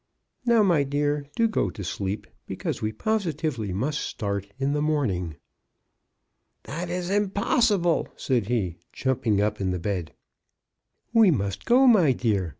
Now, my dear, do go to sleep, because we positively must start in the morning." That is impossible," said he, jumping up in the bed. We must go, my dear.